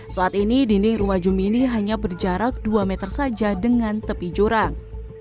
saat ini dinding rumah jumini hanya berjarak dua meter saja dengan tepi jurang